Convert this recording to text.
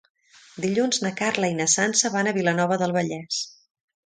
Dilluns na Carla i na Sança van a Vilanova del Vallès.